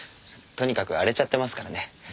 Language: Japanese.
とにかく荒れちゃってますからね。